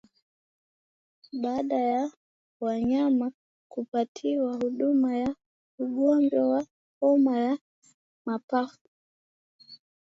Baada ya wanyama kupatiwa huduma ya ugonjwa wa homa ya mapafu